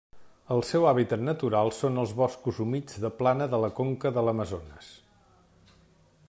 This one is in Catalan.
El seu hàbitat natural són els boscos humits de plana de la conca de l'Amazones.